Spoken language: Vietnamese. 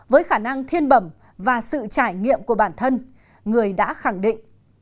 với khả năng thiên bẩm và sự trải nghiệm của bản thân người đã khẳng định